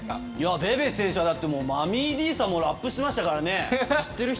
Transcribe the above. ベベ選手はマミーディーさんもラップをしましたからね。